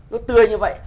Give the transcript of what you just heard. nó tươi như vậy